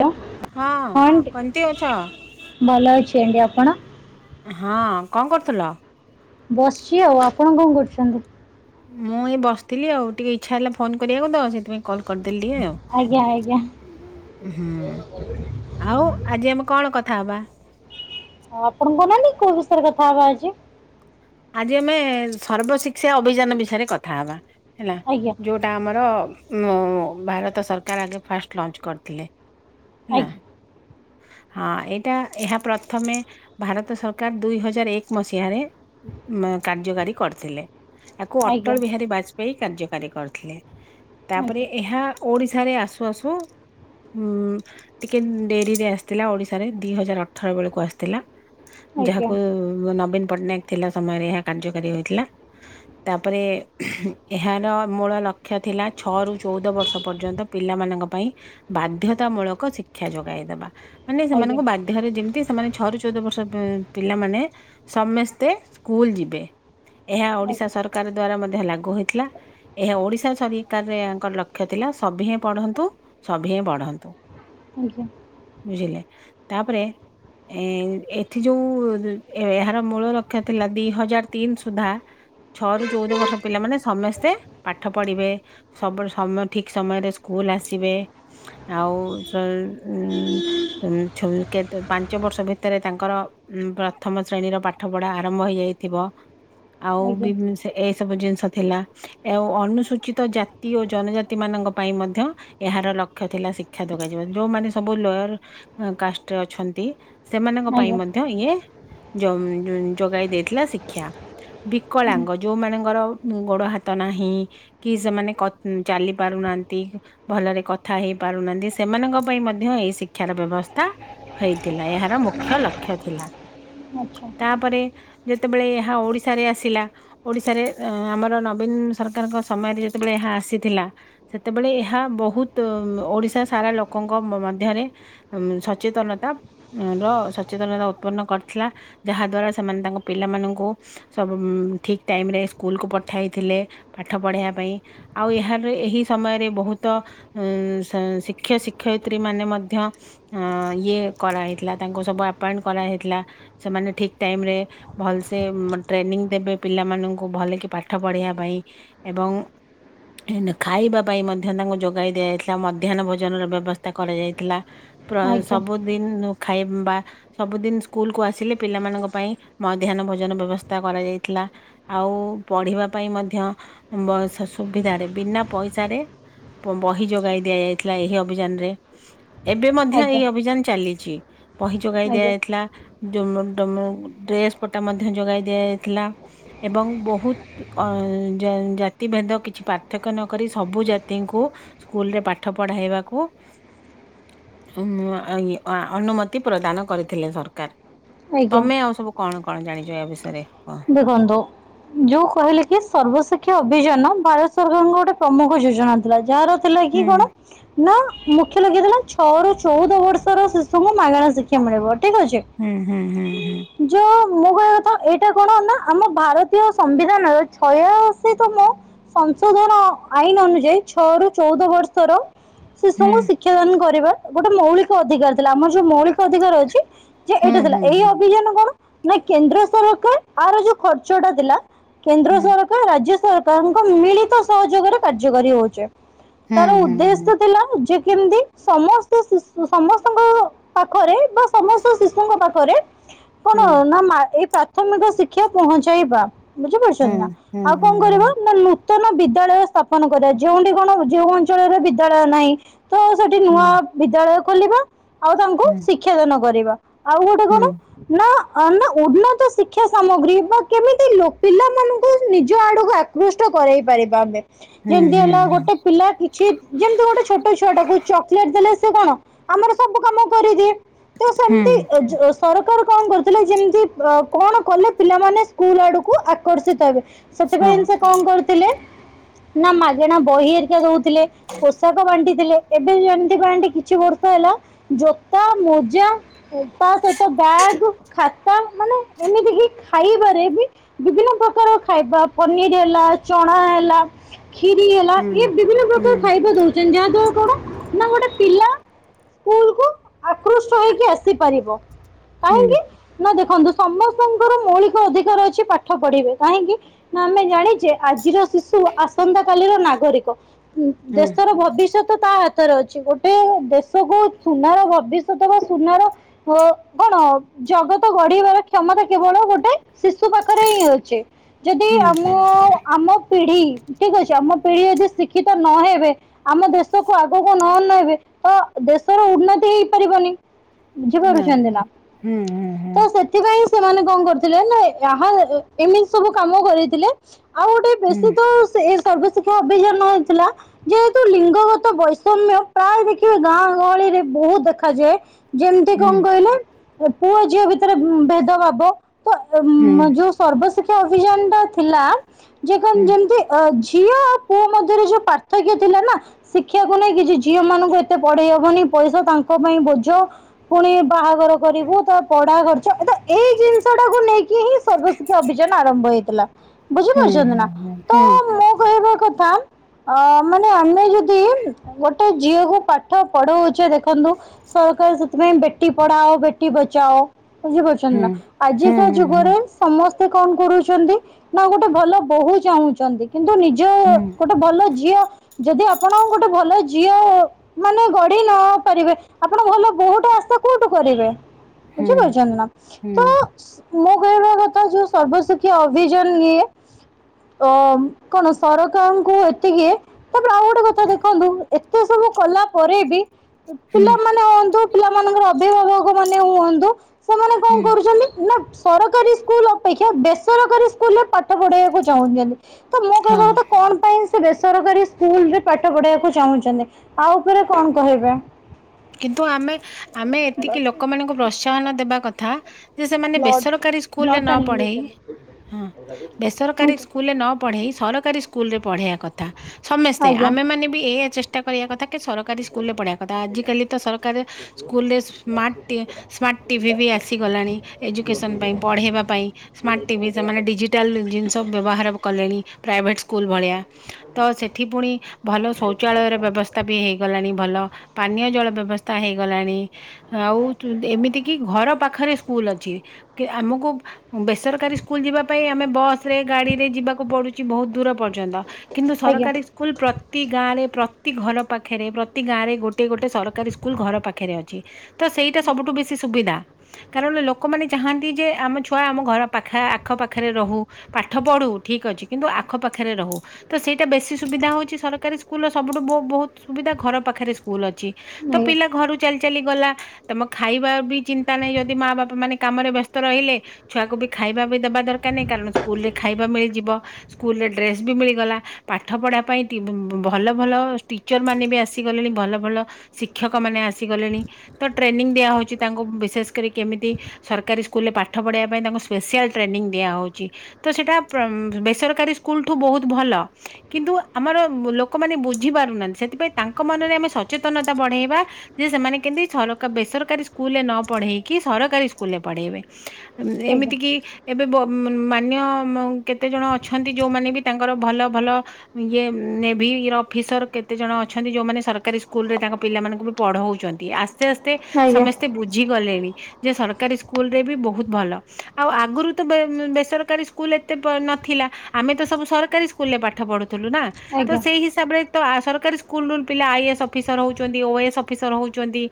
ହଁ ହଁ ଆଣ୍ଟି କତି ଅଛ? ଭଲ ଅଛି ଏଡି ଆପଣ? ହଁ କଣ କରୁଥିଲ? ବସିଛି ଆଉ। ଆପଣ କଣ କରୁଛନ୍ତି? ମୁଁ ଏଇ ବସିଥିଲି ଆଉ ଟିକେ ଇଚ୍ଛା ହେଲା ଫୋନ କରିବାକୁ ତ ସେଥିପାଇଁ କଲ୍ କରିଦେଲି ଟିକେ ଆଜ୍ଞା ଆଜ୍ଞା ଆଉ। ହୁଁ ଆଉ ଆଜି ଆମେ କଣ କଥା ହବା? ଆଉ ଆପଣଙ୍କ କହୁନାହାନ୍ତି କୋଉ ବିଷୟରେ କଥା ହବା ଆଜି? ଆଜି ଆମେ ସର୍ବଶିକ୍ଷା ଅଭିଯାନ ବିଷୟରେ କଥା ହବା ହେଲା। ଆଜ୍ଞା ଯୋଉ ଟା ଆମର ମ ଭାରତ ସରକାର ଆଗେ ଫାଷ୍ଟ ଲଞ୍ଚ କରିଥିଲେ ହେଲା? ହଁ ଏଇଟା ଏହା ପ୍ରଥମେ ଭାରତ ସରକାର ଦୁଇ ହଜାର ଏକ ମସିହାରେ ମ କାର୍ଯ୍ୟକାରୀ କରିଥିଲେ। ଆକୁ ଅଟଳ ଆଜ୍ଞା ବିହାରୀ ବାଜପେୟୀ କାର୍ଯ୍ୟକାରୀ କରିଥିଲେ। ଆଜ୍ଞା ତାପରେ ଏହା ଓଡିଶାରେ ଆସୁ ଆସୁ ହୁଁ ଟିକେ ଡେରିରେ ଆସିଥିଲା ଓଡ଼ିଶାରେ ଦୁଇ ହଜାର ଅଠର ବେଳକୁ ଆସିଥିଲା। ଆଜ୍ଞା ଆଜ୍ଞା ଯାହାକୁ ନବୀନ ପଟ୍ଟନାୟକ ଥିଲା ସମୟରେ ଏହା କାର୍ଯ୍ୟକାରୀ ହୋଇଥିଲା। ତାପରେ ଏହାର ମୂଳ ଲକ୍ଷ୍ୟ ଥିଲା ଛଅରୁ, ଚଉଦ ବର୍ଷ ପର୍ଯ୍ୟନ୍ତ ପିଲାମାନଙ୍କ ପାଇଁ ବାଧ୍ୟତାମୂଳକ ଶିକ୍ଷା ଯୋଗାଇଦବା ମାନେ ଆଜ୍ଞା ସେମାନଙ୍କୁ ବା ହରେ ଯେମିତି ସେମାନେ ଛଅରୁ, ଚଉଦ ବର୍ଷ ପିଲାମାନେ ସମସ୍ତେ ସ୍କୁଲ ଯିବେ। ଏହା ଓଡିଶା ଆଜ୍ଞା ସରକାର ଦ୍ଵାରା ମଧ୍ୟ ଲାଗୁ ହୋଇଥିଲା। ଏହା ଓଡିଶା ସରିକାରଙ୍କର ଲକ୍ଷ୍ୟ ଥିଲା ସଭି ହେଁ ପଢନ୍ତୁ ସଭି ହେଁ ବଢନ୍ତୁ। ଆଜ୍ଞା। ବୁଝିଲେ ତାପରେ ଏ ଏଠି ଯୋଉ ଏହାର ମୂଳ ଲକ୍ଷ୍ୟ ଥିଲା ଦି ହଜାର ତିନି ସୁଦ୍ଧା ଛଅ ରୁ ଚଉଦ ବର୍ଷ ପିଲାମାନେ ସମସ୍ତେ ପାଠ ପଢିବେ। ସବୁ ସମୟ ଠିକ ସମୟରେ ସ୍କୁଲ ଆସିବେ ଆଉ ଉ କେ ପାଞ୍ଚ ବର୍ଷ ଭିତରେ ତାଙ୍କର ଉ ପ୍ରଥମ ଶ୍ରେଣୀର ପାଠ ପଢା ଆରମ୍ଭ ହେଇଯାଇଥିବ ଆଉ ବି ଆଜ୍ଞା ସେ ଏସବୁ ଜିନିଷ ଥିଲା ଆ ଅନୁସୂଚିତ ଜାତି ଓ ଜନଜାତି ମାନଙ୍କ ପାଇଁ ମଧ୍ୟ ଏହାର ଲକ୍ଷ୍ୟ ଥିଲା ଶିକ୍ଷା ଯୋଗାଯିବା ଯୋଉମାନେ ସବୁ ଲୟର କାଷ୍ଟରେ ଅଛନ୍ତି ସେମାନଙ୍କ ପାଇଁ ଆଜ୍ଞା ମଧ୍ୟ ଯଇଏ ଯ ଯୋଗାଇ ଦେଇଥିଲା ଶିକ୍ଷା‌। ବିକଳାଙ୍ଗ ଯୋଉ ମାନଙ୍କର ଗୋଡ, ହାତ ନାହିଁ କି ସେମାନେ କ ଚାଲି ପାରୁନାହାନ୍ତି, ଭଲରେ କଥା ହେଇ ପାରୁନାହାନ୍ତି ସେମାନଙ୍କ ପାଇଁ ମଧ୍ୟ ମଧ୍ୟ ଏଇ ଶିକ୍ଷାର ବ୍ୟବସ୍ଥା ହେଇଥିଲା ଏହାର ମୁଖ୍ୟ ଲକ୍ଷ୍ୟ ଥିଲା।। ଆଜ୍ଞା ଆଚ୍ଛା ଆଜ୍ଞା ତାପରେ ଯେତେବେଳେ ଏହା ଓଡିଶାରେ ଆସିଲା ଓଡିଶାରେ ଆମର ନବୀନ ସରକାରଙ୍କ ସମୟରେ ଯେତେବେଳେ ଏହା ଆସିଥିଲା ସେତେବେଳେ ଏହା ବହୁତ ଓଡିଶା ସାରା ଲୋକଙ୍କ ମଧ୍ୟରେ ଉଁ ସଚେତନତା ର ସଚେତନତା ଉତ୍ପନ୍ନ କରିଥିଲା ଯାହା ଦ୍ଵାରା ସେମାନେ ତାଙ୍କ ପିଲାମାନଙ୍କୁ ସବୁ ଠିକ ଟାଇମ ରେ ସ୍କୁଲ କୁ ପଠାଇଥିଲେ ପାଠ ପଢେଇବା ପାଇଁ। ଆଉ ଏହାରେ ଏହି ସମୟରେ ବହୁତ ଉଁ ସ ଶିକ୍ଷ ଶିକ୍ଷୟିତ୍ରୀ ମାନ ମଧ୍ୟ ଇଏ କରାହେଇଥିଲା ତାଙ୍କୁ ସବୁ ଆପାଏଣ୍ଟ କରା ହେଇଥିଲା। ସେମାନେ ଠିକ ଟାଇମ ରେ ଭଲସେ ମ୍ ଟ୍ରେନିଂ ଦେବେ ପିଲାମାନଙ୍କୁ ଭଲ କି ପାଠ ପଢେଇବା ପାଇଁ। ଏବଂ ନ୍ ଖାଇବା ପାଇଁ ମଧ୍ୟ ତାଙ୍କୁ ଯୋଗାଇ ଦିଆଯାଇଥିଲା ମଧ୍ୟାହ୍ନ ଭୋଜନ ର ବ୍ୟବସ୍ ତା କରାଯାଇଥିଲା ପ୍ର ଆଜ୍ଞା ସବୁଦିନ ଖାଇମ୍ୱା ସବୁଦିନି ସ୍କୁଲକୁୁ ଆସିଲେ ପିଲାମାନଙ୍କ ପାଇଁ ମଧ୍ୟାହ୍ନ ଭୋଜନ ବ୍ୟବସ୍ଥା କରାଯାଇଥିଲା। ଆଉ ପଢିବା ପାଇଁ ମଧ୍ୟ ଉମ୍ ବ ସ ସୁବିଧାରେ ବିନା ପଇସାରେ ବ ବହି ଯୋଗାଇ ଦିଆଯାଇଥିଲା ଏହି ଅଭିଯାନରେ। ଏବେ ମଧ୍ୟ ଏଇ ଅଭିଯାନ ଚାଲିଛି ବହି ଯୋଗାଇ ଆଜ୍ଞା ଦିଆଯାଇଥିଲା। ଯୋମମ୍ ଟମେ ଡ୍ରେସ୍ ପଟା ମଧ୍ୟ ଯୋଗାଇ ଦିଆଯାଇଥିଲା ଏବଂ ବହୁତ ଅଁ ଜା ଜାତିଭେଦ କିଛି ପାର୍ଥକ୍ୟ ନ କରି ସବୁ ଜାତିଙ୍କୁ ସ୍କୁଲରେ ପାଠ ପଢ଼ାଇବାକୁ [unintelligible] ଅନୁମତି ପ୍ରଦାନ କରିଥିଲେ ସରକାର ଆଜ୍ଞା ତମେ ଆଉ ସବୁ କଣ କଣ ଜାଣିଛ ୟା ବିଷୟରେ କୁହ। ଦେଖନ୍ତୁ ଯୋଉ କହିଲେ କି ସର୍ବଶିକ୍ଷା ଅଭିଯାନ ଭାରତ ସରକାରଙ୍କ ଗୋଟେ ପ୍ରମୁଖ ଯୋଜନା ଥିଲା ଯାହାର ଥିଲା ହୁଁ କି କଣ ନା ମୁଖ୍ୟ ଲକ୍ଷ୍ୟ ଥିଲା ଛଅ ରୁ ଚୋଉଦ ବର୍ଷର ଶିଶୁଙ୍କୁ ମାଗଣା ଶିକ୍ଷା ମିଳିବ ଠିକ ଅଛି। ହୁଁ ହୁଁ ହୁଁ ହୁଁ। ଯୋ ମୋ କହିବା କଥା ଏ ଏଟା କଣ ନା ଆମ ଭାରତୀୟ ସମ୍ବିଧାନର ଛୟାଅଶୀ ତମ ସଂଶୋଧନ ଆଇନ ଅନୁଯାୟୀ ଛଅ ରୁ ଚୋଉଦ ବର୍ଷର ହୁଁ ଶିଶୁଙ୍କୁ ଶିକ୍ଷାଦାନ କରିବା ଗୋଟେ ମୌଳିକ ଅଧିକାର ଥିଲା ଆମର ଯୋଉ ମୌଳିକ ଅଧିକାର ଅଛି। ଯେ ହୁଁ ଏଇଟା ଥିଲା ହୁଁ ଏଇ ହୁଁ ଅଭିଯାନ କଣ ନା କେନ୍ଦ୍ର ସରକାର ଆର ଯୋଉ ଖର୍ଚ୍ଚ ଟା ଦେଲା କେନ୍ଦ୍ର ସରକାର ରାଜ୍ୟ ସରକାରଙ୍କ ମିଳିତ ସହଯୋଗରେ କାର୍ଯ୍ୟକାରୀ ହଉଚି। ହୁଁ ତାର ହୁଁ ହୁଁ ହୁଁ ଉଦ୍ଦେଶ୍ୟ ଥିଲା ଉ ଯେ ମିତି ସମସ୍ତେ ଶିଶୁ ସମସ୍ତଙ୍କ ପାଖରେ ବା ସମସ୍ତ ଶିଶୁଙ୍କ ପାଖରେ କଣ ନା ମା ଏଇ ପ୍ରା ଥମିକ ଶିକ୍ଷା ପହଞ୍ଚେଇବା ହୁଁ ବୁଝିପାରୁଛନ୍ତି ନା ହୁଁ ହୁଁ ଆଉ କଣ ହୁଁ କରିବା ନା ନୁ ନୂତନ ବିଦ୍ୟାଳୟ ସ୍ଥାପନ କରାଇ ଯେଉଁଠି କଣ ଯେଉଁ ଅଞ୍ଚଳରେ ବିଦ୍ୟାଳୟ ନାହିଁ। ତ ସେଠି ନୂଆ ହୁଁ ବିଦ୍ୟାଳୟ ଖୋଲିବା ଆଉ ତାଙ୍କୁ ହୁଁ। ଶିକ୍ଷା ଦାନ କରିବା ଆଉ ଗୋଟେ ହୁଁ କଣ ନା ଆ ନା ଉନ୍ନତ ସି ଶିକ୍ଷା ସାମଗ୍ରୀ ବା କେମିତି ଲୋ ପିଲାମାନଙ୍କୁ ନିଜ ଆଡ଼କୁ ଆକୃଷ୍ଟ କରାଇ ପାରିବା ଆମେ। ହୁଁ ଯେମତି ହୁଁ ହେଲା ଗୋଟେ ପିଲା କି ଛି ଯେମିତି ଗୋଟେ ଛୋଟ ଛୁଆ ଟାକୁ ଚକଲେଟ ଦେଲେ ସେ କଣ ଆମର ସବୁ କାମ କରିଦିଏ। ତ ହୁଁ ସେମିତି ଅ ଯେ ସରକାର କଣ କରୁଥିଲେ ଯେମିତି ଅ କଣ କଲେ ପିଲାମାନେ ସ୍କୁଲ ଆଡକୁ ଆ କର୍ଷିତ ହେବେ ହଁ ସେଥିପାଇଁ ସେ କଣ କରୁଥିଲେ ନା ମାଗେଣା ବହି ହେରିକା ଦଉ ଥିଲେ ପୋଷାକ ବାଣ୍ଟିଥିଲେ। ଏବେ ଯେମିତି ପାଆଣ୍ଟି କିଛି ବର୍ଷ ହେଲା ଜୋତା ମୋଜା ତା ସହିତ [unintelligible] ଖା ଏମିତିକି ଖାଇବାରେ ବି ବିଭିନ୍ନ ପ୍ରକାର ଖାଇବା ପନିର ହେଲା ଚଣା ହେଲା। କ୍ଷୀରି ହେଲା ହୁଁ ଇଏ ବିଭିନ୍ନ ପ୍ରକାର ହୁଁ ଖାଇବା ଦଉ [unintelligible] ଯାହାଦ୍ୱାରା କଣ ନା ଗୋଟେ ପିଲା ସ୍କୁଲ କୁ। ଆକୃଷ୍ଟ ହେଇକି ଆସିପାରିବ ହୁଁ କାହିଁକି ନା ଦେଖନ୍ତୁ। ସମସ୍ତଙ୍କର ମୌଳିକ ଅଧିକାର ଅଛି ପାଠ ପଢିବେ କାହିଁକି। ନା ଆମେ ଜାଣିଛେ ଆଜିର ଶିଶୁ ଆସନ୍ତା କାଲିର ନାଗରିକ। ଉଁ ହୁଁ ଦେଶର ଭବିଷ୍ୟ ତ ତା ହାତରେ ଅଛି ଗୋଟେ ଦେଶକୁ ସୁନାର ଭବିଷ୍ୟତ ବା ସୁନାର। ଓ କଣ ଜଗତ ଗଢିବାର। କ୍ଷମତା କେବଳ ଗୋଟେ ଶିଶୁ ପାଖରେ ହିଁ ଅଛି ଯଦି ହୁଁ ଆମ। ଆମ ପିଢି ଠିକ ଅଛି ଆମ ପିଢି ଯଦି ଶିକ୍ଷିତ ନହେବେ। ଆମ ଦେଶକୁ ଆଗକୁ ନ ନେବେ ତ ଦେଶର ଉନ୍ନତି ହେଇପାରିବନି। ବୁଝି ପାରୁଛନ୍ତି ନା। ହୁଁ ହୁଁ ତ ସେଥିପାଇଁ ସେମାନେ କଣ କରୁଥିଲେ ନା ୟା ହଁ ଏ-ଏମିତି ସବୁ କାମ କରିଥିଲେ। ଆଉ ଗୋଟେ ହୁଁ ବେଶୀ ତ ସେ ଏ ସର୍ବଶିକ୍ଷା ଅଭିଯାନ ହେଇଥିଲା। ଯେହେତୁ ଲିଙ୍ଗ ଗତ ବୈଷମ୍ୟ ପ୍ରାୟ ଦେଖିବେ ଗାଁ ଗହଳିରେ ବହୁତ ଦେଖାଯାଏ। ଯେମିତି କଣ କହିଲେ ଏ ପୁଅ ଝିଅ ଭିତରେ ଉଁ ଭେଦ ଭାବ ତ ଏମ ହୁଁ ମା ଯୋଉ। ସର୍ବଶିକ୍ଷା ଅଭିଯାନ ଟା ଥିଲା ଯେ ହୁଁ। ତି ଅ ଝିଅ ଆଉ ପୁଅ ମଧ୍ୟରେ ଯୋଉ ପାର୍ଥକ୍ୟ ଥିଲା ନା। ଶିକ୍ଷାକୁ ନେଇକି ଯେ ଝିଅ ମାନଙ୍କୁ ଏତେ ପଢେଇ ହବନି ପଇସା ତାଙ୍କ ପାଇଁ ବୋଝ। ପୁଣି ବାହାଘର କରିବୁ ତା ପଢ଼ା ଖ [unintelligible] ଏଇ ଜିନିଷ ଟାକୁ ନେଇକି ହିଁ ସର୍ବଶିକ୍ଷା ଅଭିଯାନ ଆରମ୍ଭ ହେଇଥିଲା। ହୁଁ ବୁଝିପାରୁଛନ୍ତି ନା ହୁଁ ତ ହୁଁ ମୋ କହିବା କଥା। ଅ ମାନେ ଆମେ ଯଦି ଗୋଟେ ଝିଅକୁ ପାଠ ପଢଉଛେ ଦେଖନ୍ତୁ। ସରକାର ସେଥିପାଇଁ ବେଟି ପଢ଼ାଓ ବେଟି ବଚାଓ। ବୁଝିପାରୁଛନ୍ତି ନା ହୁଁ ଆଜିକା ହୁଁ ହୁଁ ହୁଁ ହୁଁ ହୁଁ ହୁଁ ହୁଁ ଯୁଗରେ ସମସ୍ତେ କଣ କରୁଛନ୍ତି। ନା ଗୋଟେ ଭଲ ବୋହୂ ଚାହୁଁଛନ୍ତି କିନ୍ତୁ ନିଜ। ହୁଁ। ଗୋଟେ ଭଲ ଝିଅ ଯଦି ଆପଣ ଗୋଟେ ଭଲ ଝିଅ। ମାନେ ଗଢି ନ ପାରିବେ। ଆପଣ ଭଲ ବୋହୂଟା ଆସା କୋଉଠୁ କରିବେ? ବୁଝିପାରିଛନ୍ତି ନା ତ ମୋ କହିବା କଥା ଯୋଉ ସର୍ବଶିକ୍ଷା ଅଭିଯାନ ଇଏ। ଅମ କଣ ସରକାରଙ୍କୁ ଏତିକି। ତାପରେ ଆଉ ଗୋଟେ କଥା ଦେଖନ୍ତୁ ଏତେ ସବୁ କଲା ପରେ ବି ଅ ପିଲାମାନେ ଯଉ। ପିଲା ମାନଙ୍କର ଅଭିଭାବକ ମାନେ ମଧ୍ୟ ସେମାନେ ହୁଁ କଣ ହଁ କରୁଛନ୍ତି ନା। ସରକାରୀ ସ୍କୁଲ ଅପେକ୍ଷା ବେସରକାରୀ ସ୍କୁଲରେ ପାଠ ପଢେଇବାକୁ ଚାହୁଁଛନ୍ତି ତ ମୋ କହିବା କଥା। କଣ ପାଇଁ ସେ ବେସରକାରୀ ସ୍କୁଲରେ ପାଠ ପଢେଇବାକୁ ଚାହୁଁଛନ୍ତି ଆ ଉପରେ କଣ କହିବ? କିନ୍ତୁ ଆମେ ଆମେ ଏତିକି ଲୋକମାନଙ୍କୁ ପ୍ରୋତ୍ସାହନ ଦେବା କଥା। ଯେ ସେମାନେ ବ୍ଲଡ୍ ବେସରକାରୀ ସ୍କୁଲରେ ବ୍ଲଡ୍ ନ ଟାଣିବାକୁ ପଢ଼େଇ ଯାଇଛନ୍ତି ହଁ ହଁ ବେସରକାରୀ କୁ ସ୍କୁଲରେ ନ ପଢେଇ ସରକାରୀ ସ୍କୁଲରେ ପଢେଇବା କଥା ସମସ୍ତେ ଆଜ୍ଞା ଆମେ ମାନେ ବି ଏୟା ଚେଷ୍ଟା କରିବା କଥା। ସରକାରୀ ସ୍କୁଲ ରେ ପଢେଆ କଥା ଆଜିିକାଲି। ସରକାରେ ସ୍କୁଲ ରେ ସ ସ୍ମାର୍ଟ ଟି ସ୍ମାର୍ଟ ଟି ଭି ବି ଆସିଗଲାଣି। ଏଜୁକେସନ ପାଇଁ ପଢେଇବା ପାଇଁ ସ୍ମାର୍ଟ ଟି ଭି ସେମାନେ ଡି ଡିଜିଟାଲ୍ ଜିନିଷ ବ୍ୟବହାର କଲେଣି ପ୍ରାଇଭେଟ୍ ସ୍କୁଲ୍ ଭଳିଆ। ତ ସେଠି ପୁଣି, ଭଲ ଶୌଚାଳୟ ର ବ୍ୟବସ୍ଥା ବି ହେଇଗଲାଣି ଭଲ, ପାନୀୟ ଜଳ ବ୍ୟବ ବ୍ୟବସ୍ଥା ହେଇଗଲାଣି। ଆଉ ଏମିତି କି, ଘର ପାଖରେ ସ୍କୁଲ ଅଛି, ଆମକୁ ବେସରକାର ସରକାରୀ ସ୍କୁଲ ଯିବା ପାଇଁ ଆମେ ବସ ରେ, ଗାଡିରେ, ଯିବାକୁ ପଡୁଛି ବହୁତ ଦୂର ପର୍ଯ୍ୟନ୍ତ, କିନ୍ତୁ ଆଜ୍ଞା ସରକାରୀ ସ୍କୁଲ, ପ୍ରତି ଗାଁରେ, ପ୍ରତି ଘର ପାଖରେ, ପ୍ରତି ଗାଁରେ ଗୋଟଏ ଗୋଟେ ସରକାରୀ ସ୍କୁଲ ସ୍କୁଲ ଘର ପାଖରେ ଅଛି, ତ ସେଇଟା ସବୁଠୁ ବେଶି ସୁବିଧା। କାରଣ ଲୋକମାନେ ଚାହାନ୍ତି ଯେ, ଆମ ଛୁଆ, ଆମ ଘର ପାଖ ଆଖ ପାଖରେ ରହୁ। ପାଠ ପଢୁ ଠିକ ଅଛି, କିନ୍ତୁ ଆଖ ପାଖରେ ରହୁ। ତ ସେଇଟା ବେଶୀ ସୁବିଧା ହଉଛି ସରକାରୀ ସ୍କୁଲର, ସବୁଠୁ ବ ବହୁତ ସୁବିଧା, ଘର ପାଖରେ ସ୍କୁଲ ଅଛି। ତ ପିଲା ଘରୁ ଚାଲି ଚାଲି ଗଲା, ତମ ଖାଇବା ବି ଚିନ୍ତା ନାହିଁ ଯଦି ମା ବାପା ମାନେ କାମରେ ବ୍ୟସ୍ତ ରହିଲେ ଛୁଆକୁ ବି ଖାଇବା ବି ଦେବା ଦରକାର ନାହିଁ, କାରଣ ସ୍କୁଲରେ ଖାଇବା ମିଳିଯିବ, ସ୍କୁଲ ରେ ଡ୍ରେସ ବି ମିଳିଗଲା ପାଠ ପଢା ପାଇଁ, ଭଲ ଭଲ ଟିଚର ମାନେ ବି ଆସିଗଲେଣି, ଭଲ ଭଲ ଶିକ୍ଷକମାନେ ଆସିଗଲେଣି, ତ ଟ୍ରେନିଂ ଦିଆହେଉଛି ତାଙ୍କୁ, ବିଶେଷ କରି କେମିତି ସରକାରୀ ସ୍କୁଲ ରେ ପାଠ ପଢ଼େଇବା ପାଇଁ, ତାଙ୍କୁ ସ୍ପେସିଆଲ ଟ୍ରେନିଂ ଦିଆ ହଉଛି। ତ ସେଇଟା ବେସରକାରୀ ସ୍କୁଲଠୁ ବହୁତ ଭଲ। କିନ୍ତୁ ଆମର ଲୋକମାନେ ବୁଝି ପାରୁନାହାନ୍ତି, ସେଥିପାଇଁ ତାଙ୍କ ମନରେ ଆମେ ସଚେତନତା ବଢେଇବା ଯେ ସେମାନେ କେମିତି ସର ବେସରକାରୀ ସ୍କୁଲ ରେ ନ ପଢେଇକି, ସରକାରୀ ସ୍କୁଲ ରେ ପଢେଇବେ। ଆଜ୍ଞା ଏମିତି କି ଏବେ ମାନ୍ୟ କେତେ ଜଣ ଅଛନ୍ତି, ଯୋଉମାନେ ବି ତାଙ୍କର ଭଲ ଭଲ ଇଏ, ନେଭି ର ଅଫିସର କେତେ ଜଣ ଅଛନ୍ତି, ଯୋଉମାନେ ସରକାରୀ ସ୍କୁଲ ରେ ତାଙ୍କ ପିଲାମାନଙ୍କୁ ବି ପଢଉଚନ୍ତି, ଆସ୍ତେ ଆସ୍ତେ ଆଜ୍ଞା ଆଜ୍ଞା ସମସ୍ତେ ବୁଝିଗଲେଣି। ଯେ ସରକାରୀ ସ୍କୁଲ ରେ ବି ବହୁତ ଭଲ, ଆଉ ଆଗରୁ ତ ବେସରକାରୀ ସ୍କୁ ସ୍କୁଲ ଏତେ ନଥିଲା, ଆମେ ତ ସବୁ ସରକାରୀ ସ୍କୁଲ୍ ରେ ପାଠ ପଢୁଥିଲୁ ନା, ତ ଆଜ୍ଞା ସେଇ ହିସାବରେ ତ ସରକାରୀ ସ୍କୁଲ ପିଲା ଆଇସ୍ ଅଫିସର ହଉ ଚନ୍ତି, ଓଏସ୍ ଅଫିସର ହେଉଚନ୍ତି।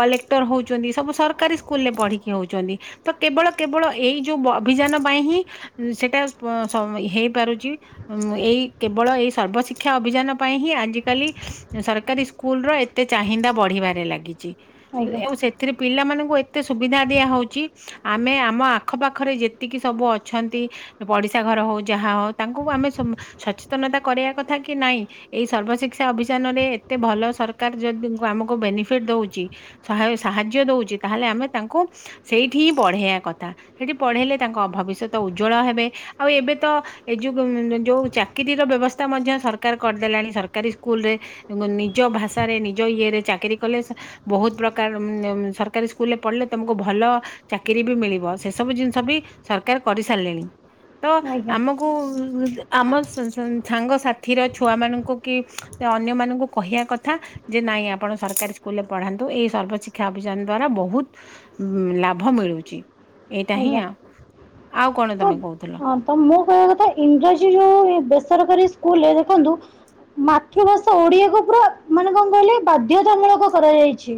କଲେକ୍ଟର ହଉଚନ୍ତି, ସବୁ ସରକାରୀ ସ୍କୁଲରେ ପଢ଼ିକି ହଉଚନ୍ତି। ତ କେବଳ କେବଳ, ଏଇ ଯୋଉ ଅଭିଯାନ ପାଇଁ ହିଁ ସେଟା ହେଇପାରୁଚି। ଉ, ଏଇ କେବଳ ଏଇ ସର୍ବଶିକ୍ଷା ଅଭିଯାନ ପାଇଁ ହିଁ, ଆଜିକାଲି ସରକାରୀ ସ୍କୁଲ ର, ଏତେ ଚାହିନ୍ଦା ବଢିବାରେ ଲାଗିଛି। ଆଜ୍ଞା ଆଉ ସେ ଏଥିରେ ପିଲାମାନଙ୍କୁ ଏତେ ସୁବିଧା ଦିଆହଉଚି ଆମେ ଆମ ଆଖପାଖରେ ଯେତିକି ସବୁ ଅଛନ୍ତି ପଡିଶା ଘର ହଉ, ଯାହା ହଉ, ତାଙ୍କୁ ଆମେ ସ ସଚେତନତା କରିବା କଥା କି ନାଇଁ, ଏଇ ସର୍ବଶିକ୍ଷା ଅଭିଯାନ ରେ ଏତେ ଭଲ ସରକାର ଯଦି ଆମକୁ ବେନିଫିଟ ଦଉଚି, ସାହାଯ୍ୟ ଦଉଚି, ତାହେଲେ ଆମେ ତାଙ୍କୁ ସେଇଠି ହିଁ ପଢେଇବା କଥା, ସେଠି ପଢେଇଲେ, ତାଙ୍କ ଭବିଷ୍ୟତ ଉଜ୍ଜଳ ହେବେ, ଆଉ ଏବେ ତ ଏ ଯୋଉ, ଯୋଉ ଚାକିରିର ବ୍ୟବସ୍ଥା ମଧ୍ୟ ସରକାର କରିଦେଲାଣି ସରକାରୀ ସ୍କୁଲ ରେ। ନିଜ ଭାଷାରେ, ନିଜ ଇଏରେ ଚାକିରି କଲେ ବହୁତ ପ୍ରକାର, ସରକାରୀ ସ୍କୁଲରେ ପଢିଲେ, ତମକୁ ଭଲ ଚାକିରୀ ବି ମିଳିବ, ସେ ସବୁ ଜିନିଷ ବି ସରକାର କରି ସାରିଲେଣି, ତ ଆଜ୍ଞା ଆମ କୁ, ଆମ ସାଙ୍ଗସାଥିର ଛୁଆମାନଙ୍କୁ କି ଅନ୍ୟମାନଙ୍କୁ କହିବା କଥା ଥା, ଯେ ନାଇଁ ଆପଣ ସରକାରୀ ସ୍କୁଲରେ ପଢାନ୍ତୁ, ଏଇ ସର୍ବଶିକ୍ଷା ଅଭିଯାନ ଦ୍ଵାରା ବହୁତ ଲାଭ ମିଳୁଚି, ଏଇଟା ହିଁ, ଆଜ୍ଞା ଆଉ ଆଉ କଣ ତ ତମେ କହୁଥିଲ? ହଁ ତ ମୁଁ କହିବା କଥା, ଇଂରାଜୀ ଯୋଉ ବେସରକାରୀ ସ୍କୁଲରେ ଦେଖନ୍ତୁ ମାତୃଭାଷା ଓଡିଆକୁ ପୁରା ମାନେ କଣ କହିଲେ ବାଧ୍ୟତାମୂଳକ କରାଯାଇଛି।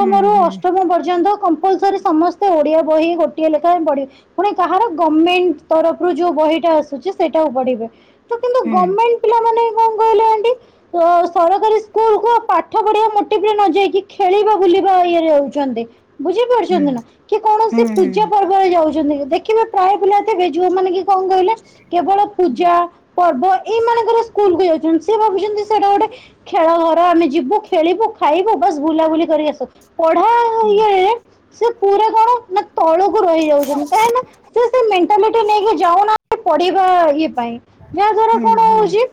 ହୁଁ ରୁ ହୁଁ ଅଷ୍ଟମ ପର୍ଯ୍ୟନ୍ତ କମ୍ପଲ୍ ସରି ସମସ୍ତେ ଓଡିଆ ବହି ଗୋ ଟିଏ ଲେଖାଏ ପଢିବେ, କାହାର ଗମେଣ୍ଟ ତରଫରୁ ଯୋଉ ବହିଟା ଆସୁଛି ସେଇଟାକୁ ପଢିବେ। ସେ କିନ୍ତୁ ଗମେଣ୍ଟ ପିଲାମାନେ [inaudible] କଣ କହିଲେ ଆଁଟୀ। ସ ସରକାରୀ ସ୍କୁଲକୁ ପାଠ ପଢିବା ମୋଟିଭରେ ନ ଯାଇକି ଖେଳିବା ବୁଲିବା ଇଏ ରେ ଯାଉଚନ୍ତି। ବୁଝି ପାରୁଛନ୍ତି ନା କି ହୁଁ କୌଣସି ହୁଁ ପର୍ବ ରେ ଯାଉଛନ୍ତି, ଦେଖିବେ ପ୍ରାୟ ପିଲା ଥିବେ ଯୋଉମାନେ କି କଣ କହିଲେ କେବଳ ହୁଁ। ପୂଜା ପର୍ବ ଏଇ ମାନଙ୍କରେ ସ୍କୁଲ କୁ ଯାଉଛନ୍ତି ସେ ଭାବୁଛନ୍ତି ସେଇଟା ଗୋଟେ ଖେଳ ଘର, ଆମେ ଯିବୁ ଖେଳିବୁ ଖାଇବୁ ବସ ବୁଲାବୁଲି କରି ଆସୁ। ପଢା ଆଉ ଇଏ ସେ ପୁରା କଣ ନା ତଳକୁ ରହିଯାଉଛନ୍ତି କାହିଁକି ନା ସେ ସେ ମେଣ୍ଟାଲିଟି ନେଇକି ଯାଉନାହାନ୍ତି ପଢିବା ଇଏ ପାଇଁ। ଯାହା ଦ୍ଵାରା ହୁଁ କଣ ହୁଁ ହଉଛି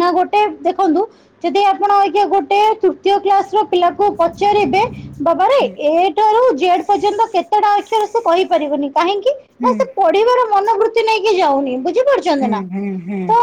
ନା ଗୋଟେ ଦେଖନ୍ତୁ। ଯଦି ଆପଣ ଆଜ୍ଞା ଗୋଟେ ତୃତୀୟ କ୍ଲାସ ର ପିଲାକୁ ପଚାରିବେ। ବାବାରେ ହୁଁ ଏ ଠାରୁ ଜେଡ ପର୍ଯ୍ୟନ୍ତ କେ ତେ ଟା ଅକ୍ଷର ସେ କହିପାରିବନି କାହିଁକି ନା ହୁଁ ସେ ପଢିବାର ମନୋବୃତ୍ତି ନେଇକି ଯାଉନି ବୁଝିପାରୁ ଛନ୍ତି ହୁଁ ନା, ହୁଁ ହୁଁ ହୁଁ ତ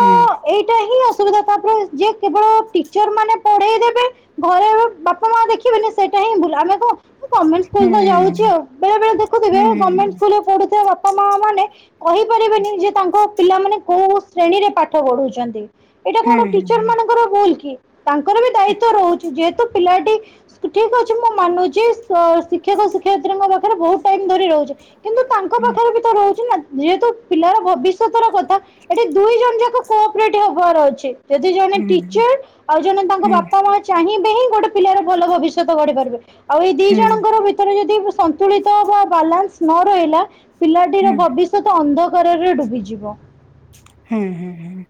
ଏଇଟା ହିଁ ଅସୁବିଧା ତାପରେ ଯେ କେବଳ ଟିଚର ମାନେ ପଢେଇ ଦେବେ। ଘରେ ବାପା ମା ଦେଖିବେନି ସେଇଟା ହିଁ ଭୁଲ ଆମେ ଗମେଣ୍ଟ ସ୍କୁଲ୍ ହୁଁ ତ ଯାଉଛି ଆଉ। ବେଳେ ବେଳେ ଦେଖୁଥିବେ ହୁଁ ହୁଁ ହୁଁ ଗମେଣ୍ଟ ସ୍କୁଲ ରେ ପଢୁଥିବା ବାପା ମା ମାନେ କହିପାରିବେନି ଯେ ତାଙ୍କ ପିଲାମାନେ କୋଉ ଶ୍ରେଣୀରେ ପାଠ ପଢୁଚନ୍ତି। ଏଇଟା କଣ ହୁଁ ଟିଚର ମାନଙ୍କର ଭୁଲ କି ତାଙ୍କର ବି ଦାୟିତ୍ଵ ରହୁଛି ଯେହେତୁ ପିଲାଟି ଠିକ ଅଛି ମୁଁ ମାନୁଚି ସ ଶିକ୍ଷକ ଶିକ୍ଷୟତ୍ରୀ ଙ୍କ ବହୁତ ଟାଇମ ଧରି ରହୁଛି କିନ୍ତୁ ତାଙ୍କ ପାଖରେ ବି ତ ରହୁଛି ନା ଯେହେତୁ ପିଲାର ଭବିଷ୍ୟତର କଥା। ଏଠି ଦୁଇ ଜଣ ଯାକ କୋପରେଟ୍ ହବାର ଅଛି ଯଦି ଜଣେ ହୁଁ ହୁଁ ଟିଚର ଆଉ ଜଣେ ତାଙ୍କ ହୁଁ ବାପା ମା। ଚାହିଁବେ ହିଁ ଗୋଟେ ପିଲାର ଭଲ ଭବିଷ୍ୟତ ଗଢି ପାରିବେ ଆଉ ଏଇ ଦି ହୁଁ ଜଣଙ୍କର ଭିତରେ ଯଦି ସନ୍ତୁଳିତ ବା ବାଲାନ୍ସ ନ ରହିଲା ହୁଁ ପିଲାଟିର ଭବିଷ୍ୟତ ଅନ୍ଧକାରରେ ଡୁବିଯିବ। ହୁଁ ହୁଁ ହୁଁ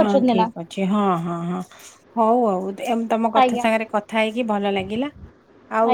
ହଁ ନା ଠିକ ଅଛି ହଁ ହଁ ହଁ ହଉ ଆଉ ଏମ ତମ କଥା ଆଜ୍ଞା ସାଙ୍ଗରେ କଥା ହେଇକି ଭଲ ଲାଗିଲା ଆଉ ଆଜ୍ଞା